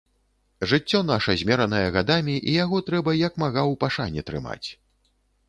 Жыццё наша змеранае гадамі і яго трэба як мага ў пашане трымаць.